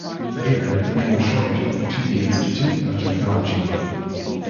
Later the name was shortened to the Institute of Technology.